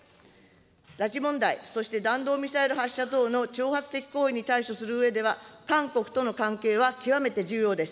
拉致問題、そして弾道ミサイル発射等の挑発的行為に対処するうえでは、韓国との関係は極めて重要です。